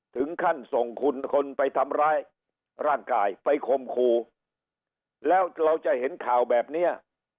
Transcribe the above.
ถึงขั้นส่งคุณคนไปทำร้ายร่างกายไปคมครูแล้วเราจะเห็นข่าวแบบเนี้ย